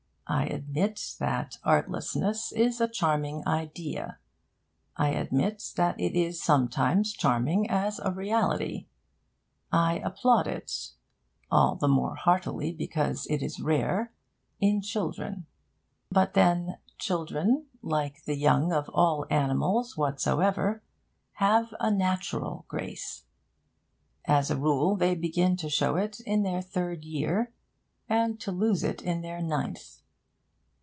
I admit that artlessness is a charming idea. I admit that it is sometimes charming as a reality. I applaud it (all the more heartily because it is rare) in children. But then, children, like the young of all animals whatsoever, have a natural grace. As a rule, they begin to show it in their third year, and to lose it in their ninth.